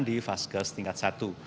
di fasankes tingkat satu